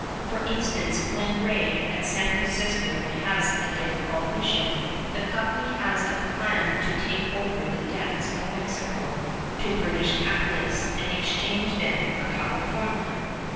For instance, Glen Rae at San Francisco has a difficult mission. The company has a plan to take over the debts of Mexico to British capitalists and exchange them for California.